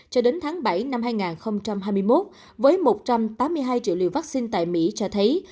cho đến tháng bảy năm hai nghìn hai mươi một với một trăm tám mươi hai triệu liều vaccine tại mỹ cho thấy